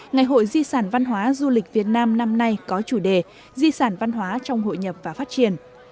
ngày hội di sản văn hóa du lịch việt nam năm nay có chủ đề di sản văn hóa trong hội nhập và phát triển